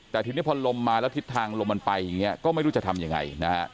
แต่ทีนี้พอลมมาแล้วทิศทางลมมันไปอย่างนี้ก็ไม่รู้จะทำยังไงนะฮะ